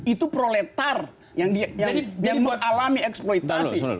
itu proletar yang dia yang membuat alami eksploitasi